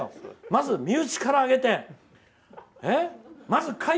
まず身内から上げて。